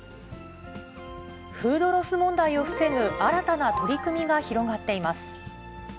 フードロス問題を防ぐ新たな取り組みが広がっています。